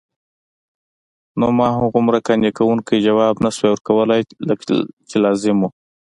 نو ما هغومره قانع کوونکی ځواب نسوای ورکولای لکه چې لازم وو.